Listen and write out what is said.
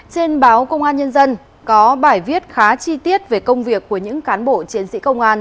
trên báo công an nhân dân có bài viết khá chi tiết về công việc của những cán bộ chiến sĩ công an